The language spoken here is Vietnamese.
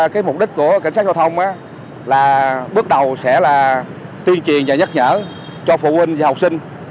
cái mục đích của cảnh sát giao thông là bước đầu sẽ là tuyên truyền và nhắc nhở cho phụ huynh và học sinh